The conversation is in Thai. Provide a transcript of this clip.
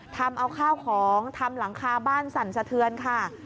ทำเอาข้าวของทำหลังคาบ้านสั่นสะเทือนค่ะ